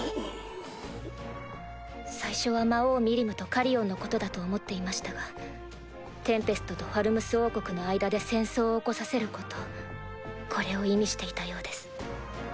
最初は魔王ミリムとカリオンのことだと思っていましたがテンペストとファルムス王国の間で戦争を起こさせることこれを意味していたようです。